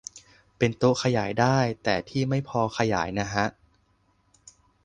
เป็นโต๊ะขยายได้ แต่ที่ไม่พอขยายนะฮะ